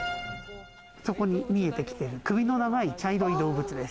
そこに見えてきている首の長い茶色い動物です。